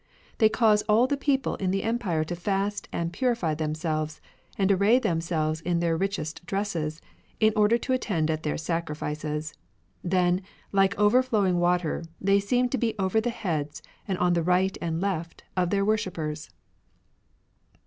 They cause all the people in the empire to fast and purify themselves, and array themselves in their richest dresses, in order to attend at their sacrifices. Then, like overflowing water, they seem to be over the heads, and on the right and left, of their worshippers."